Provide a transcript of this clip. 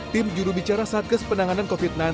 tim jurubicara saat kesepenanganan covid sembilan belas